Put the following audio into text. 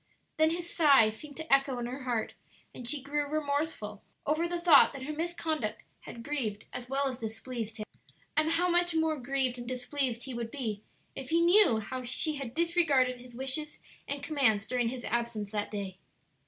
Then his sigh seemed to echo in her heart, and she grew remorseful over the thought that her misconduct had grieved as well as displeased him. And how much more grieved and displeased he would be if he knew how she had disregarded his wishes and commands during his absence that day!